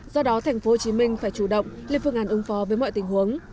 do đó tp hcm phải chủ động liên phương ngàn ứng phó với mọi tình huống